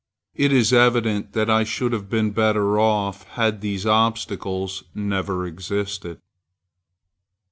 It is evident that I should have been better off had these obstacles never existed.